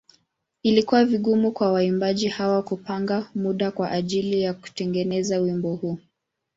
Ilikuwa vigumu kwa waimbaji hawa kupanga muda kwa ajili ya kutengeneza wimbo huu.